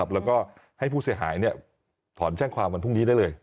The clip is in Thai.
แล้วก็ให้ผู้เสียหายถอนแจ้งความวันพรุ่งนี้ได้เลย